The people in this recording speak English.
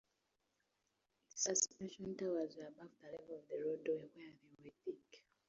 Its suspension towers were above the level of the roadway, where they were thick.